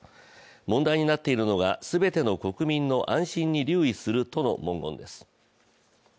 問題になっているのが、「全ての国民の安心に留意する」との文言です。